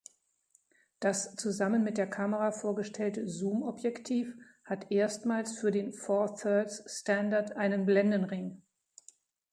Das zusammen mit der Kamera vorgestellte Zoomobjektiv hat erstmals für den Four-Thirds-Standard einen Blendenring.